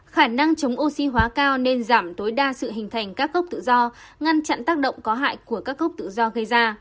các cốc tự do ngăn chặn tác động có hại của các cốc tự do gây ra